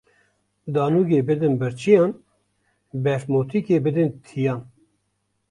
Danûgê bidin birçiyan, berfmotikê bidin tiyan